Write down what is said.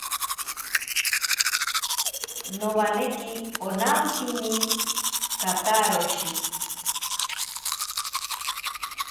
Nowaneki onampini kataroshi.